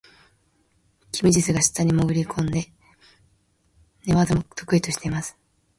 キム・ジスが下に潜り込んで、寝技も得意としています。